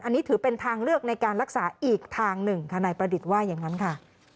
อันนี้ถือเป็นทางเลือกในการรักษาอีกทางหนึ่งทนายประดิษฐ์ว่าอย่างนั้นค่ะ